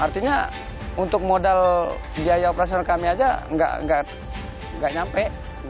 artinya untuk modal biaya operasional kami aja nggak nyampe